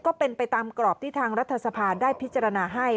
ก็เป็นไปตามกรอบที่ทางรัฐสภาได้พิจารณาให้